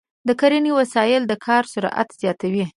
د کرنې وسایل د کار سرعت زیاتوي.